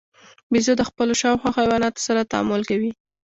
بیزو د خپلو شاوخوا حیواناتو سره تعامل کوي.